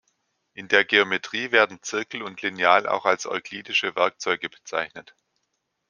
In der Geometrie werden Zirkel und Lineal auch als euklidische Werkzeuge bezeichnet.